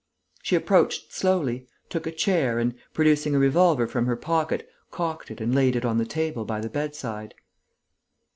She approached slowly, took a chair and, producing a revolver from her pocket, cocked it and laid it on the table by the bedside.